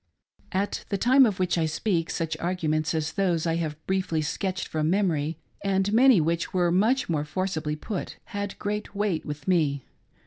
At the time of which I speak, such arguments as those I hatve briefly sketched from memory, and many which were much more forcibly put, had great weight with me.